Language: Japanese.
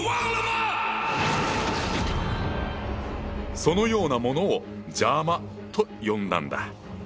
そのようなものを「邪魔」と呼んだんだ。